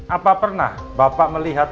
apa pernah bapak melihat